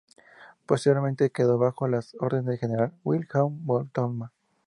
Posteriormente quedó bajo las órdenes del general Wilhelm von Thoma.